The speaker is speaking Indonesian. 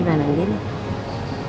mak mak mak